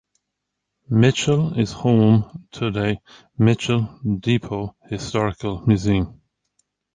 Mitchell is home to the Mitchell Depot Historical Museum.